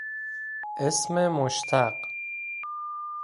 اسم مشتق